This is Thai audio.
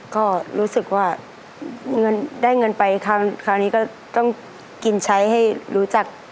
ก็รู้สึกว่าเงินได้เงินไปคราวนี้ก็ต้องกินใช้ให้รู้จัก